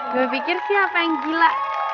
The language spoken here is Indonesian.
gue pikir siapa yang gila